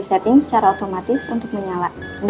apakah itu rupees pas